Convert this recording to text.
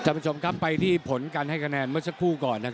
เป็นคู่ครับไปที่ฝนการให้คะแนนเมื่อสักคู่ก่อนครับ